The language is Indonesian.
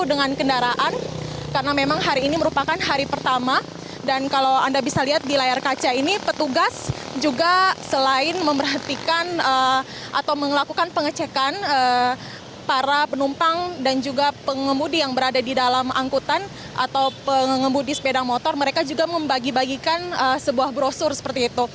dengan kendaraan karena memang hari ini merupakan hari pertama dan kalau anda bisa lihat di layar kaca ini petugas juga selain memperhatikan atau melakukan pengecekan para penumpang dan juga pengemudi yang berada di dalam angkutan atau pengemudi sepeda motor mereka juga membagi bagikan sebuah brosur seperti itu